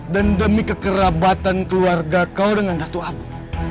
dan demi kekerabatan keluarga kau dengan datu abu